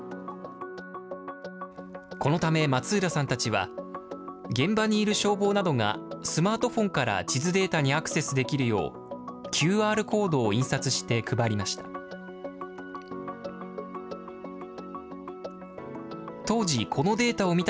このため松浦さんたちは、現場にいる消防などが、スマートフォンから地図データにアクセスできるよう、ＱＲコードを印刷して配りました。